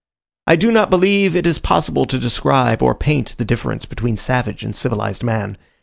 I do not believe it is possible to describe or paint the difference between savage and civilized man.